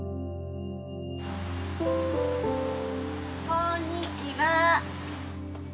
こんにちは。